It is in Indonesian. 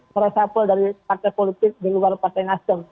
meresapel dari partai politik di luar partai nasdem